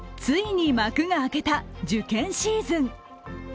ついに幕が開けた受験シーズン。